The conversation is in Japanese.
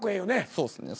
そうっすね。